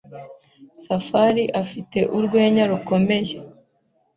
Safari afite urwenya rukomeye.